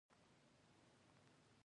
لاسونه يې پاک کړل.